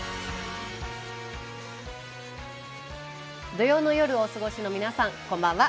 土曜の夜をお過ごしの皆さん、こんばんは。